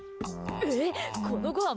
えっ、このごはん